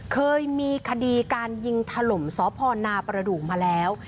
เคยมีคดีการยิงถล่มสพนาประดูกมาแล้ว